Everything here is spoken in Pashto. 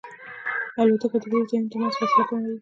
الوتکه د لرې ځایونو ترمنځ فاصله کموي.